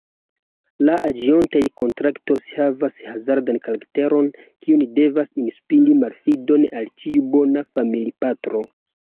La aĝiotaj kontraktoj havas hazardan karakteron, kiu devas inspiri malfidon al ĉiu bona familipatro.